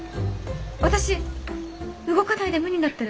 私動かないで無になってれば。